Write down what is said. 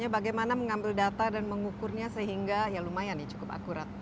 bagaimana mengambil data dan mengukurnya sehingga ya lumayan nih cukup akurat